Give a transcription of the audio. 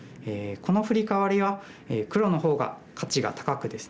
このフリカワリは黒の方が価値が高くですね